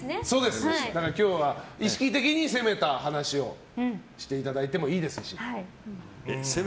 今日は意識的に攻めた話をしていただいてもいいですし。